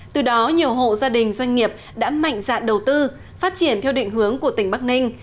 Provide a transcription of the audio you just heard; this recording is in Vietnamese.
từ đó nhiều hộ gia đình doanh nghiệp đã mạnh dạn đầu tư phát triển theo định hướng của tỉnh bắc ninh